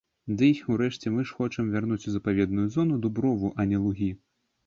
Ды й, урэшце, мы ж хочам вярнуць ў запаведную зону дуброву, а не лугі.